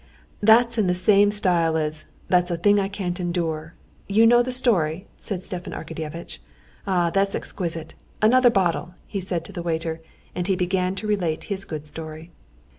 "That's in the same style as, 'that's a thing I can't endure!' You know the story?" said Stepan Arkadyevitch. "Ah, that's exquisite! Another bottle," he said to the waiter, and he began to relate his good story.